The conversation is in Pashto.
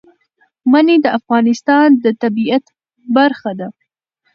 منی د افغانستان د طبیعت برخه ده.